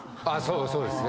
そうですね。